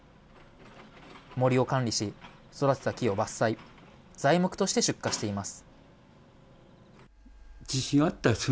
森を管理し、育てた木を伐採、材木として出荷しています。